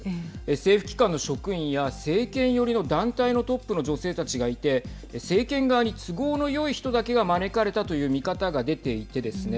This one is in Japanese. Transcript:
政府機関の職員や政権寄りの団体のトップの女性たちがいて政権側に都合のよい人だけが招かれたという見方が出ていてですね